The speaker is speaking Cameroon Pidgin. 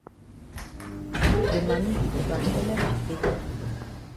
De mami di ova helep pipo dem.